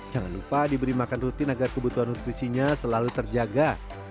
jangan lupa diberi makan rutin agar kebutuhan nutrisinya selalu terjaga